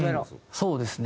そうですね。